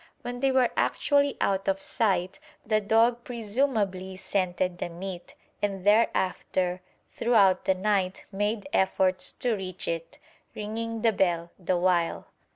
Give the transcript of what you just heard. When they were actually out of sight the dog presumably scented the meat, and thereafter throughout the night made efforts to reach it, ringing the bell the while.